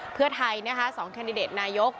เพื่อไทยนะคะ๒แคนดิเดตนายก